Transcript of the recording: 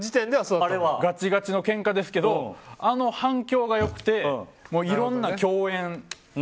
ガチガチのケンカですけどあの反響が良くていろんな共演